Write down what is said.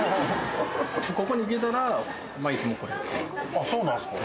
あそうなんすか？